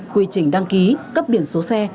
quy trình đăng ký cấp điển số xe